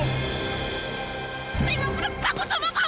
saya nggak peduli takut sama kamu